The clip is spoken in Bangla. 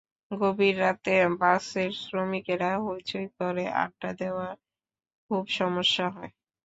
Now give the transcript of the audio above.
গভীর রাতে বাসের শ্রমিকেরা হইচই করে আড্ডা দেওয়ায় খুব সমস্যা হয়।